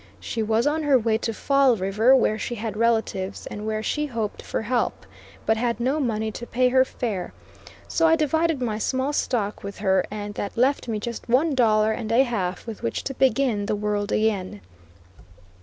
She was on her way to Fall River, where she had relatives, and where she hoped for help, but had no money to pay her fare, so I divided my small stock with her, and that left me just one dollar and a half with which to begin the world again.